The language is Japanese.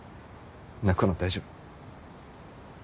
泣くの大丈夫。